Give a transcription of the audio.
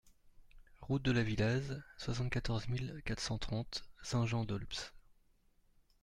Route de la Villaz, soixante-quatorze mille quatre cent trente Saint-Jean-d'Aulps